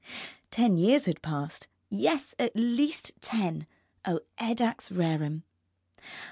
Ten years had passed (yes, at least ten _O edax rerum!